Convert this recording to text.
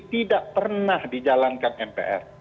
tidak pernah dijalankan mpr